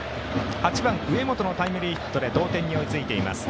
８番、上本のタイムリーヒットで同点に追いついています。